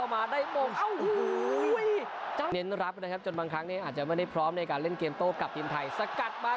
หลวงนิตรีกับจีนปวงไม่โดน